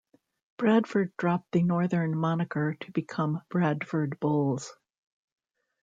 Bradford dropped the Northern moniker to become Bradford Bulls.